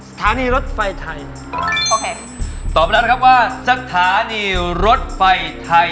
สถานีรถไฟไทยโอเคตอบไปแล้วนะครับว่าสถานีรถไฟไทย